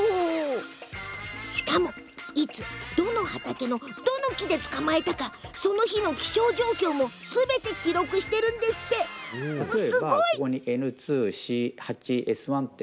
しかも、いつどの畑のどの木で捕まえたかその日の気象状況もすべて記録しているっていうからすごいじゃない。